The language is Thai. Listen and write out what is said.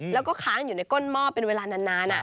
แล้วก็ค้างอยู่ในก้นหม้อเป็นเวลานาน